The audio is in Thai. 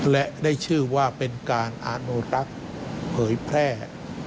และได้ชื่อว่าเป็นการอนุรักษ์เผยแพร่